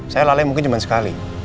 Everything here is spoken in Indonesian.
saya lalai mungkin cuma sekali